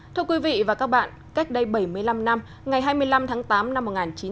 thưa quý vị và các bạn cách đây bảy mươi năm năm ngày hai mươi năm tháng tám năm một nghìn chín trăm bảy mươi